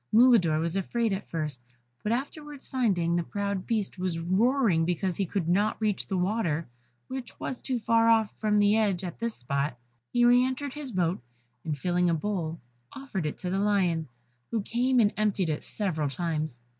Mulidor was afraid at first, but afterwards finding that the proud beast was roaring because he could not reach the water, which was too far off from the edge at this spot, he re entered his boat, and filling a bowl offered it to the lion, who came and emptied it several times.